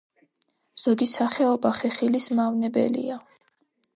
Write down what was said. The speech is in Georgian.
ზოგი სახეობა ხეხილის მავნებელია.